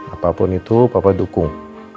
apapun itu papa dukung